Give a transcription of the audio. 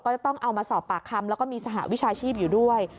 ก็จะต้องเอามาสอบปากคำแล้วก็มีสหวิชาชีพอยู่ด้วย